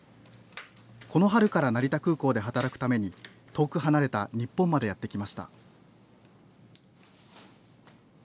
この春から成田空港で働くために遠く離れた日本までやってきました。